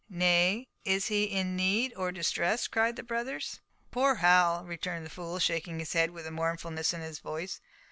"Nay! is he in need, or distress?" cried the brothers. "Poor Hal!" returned the fool, shaking his head with mournfulness in his voice.